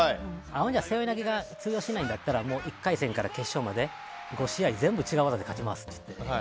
あの日は、背負い投げが通用しないんだったら１回戦から決勝まで５試合全部違う技で勝ちますって言って。